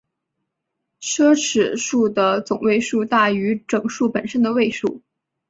奢侈数的总位数大于整数本身的位数。